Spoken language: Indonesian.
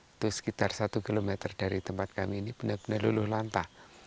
itu sekitar satu km dari tempat kami ini benar benar luluh lantah